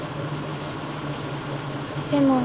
でも。